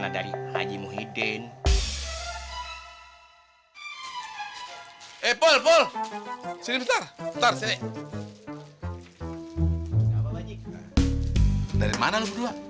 dari mana lu berdua